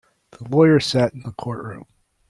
The lawyer sat in the courtroom.